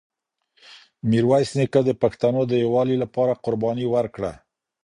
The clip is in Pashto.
میرویس نیکه د پښتنو د یووالي لپاره قرباني ورکړه.